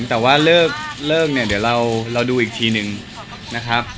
แต่ว่าเลิกเนี่ยเดี๋ยวเราดูอีกทีหนึ่งนะครับ